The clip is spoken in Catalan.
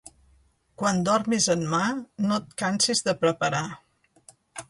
Quan dormis en mar, no et cansis de preparar.